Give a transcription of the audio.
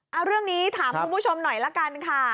เอาเรื่องนี้ถามคุณผู้ชมหน่อยละกันค่ะ